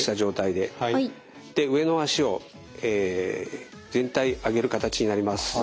で上の脚を全体上げる形になります。